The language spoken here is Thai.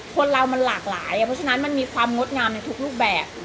คนเรามันหลากหลายเพราะฉะนั้นมันมีความงดงามในทุกรูปแบบ